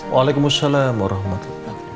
waalaikumsalam warahmatullahi wabarakatuh